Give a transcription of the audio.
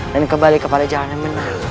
dan kembali kepada jalan yang benar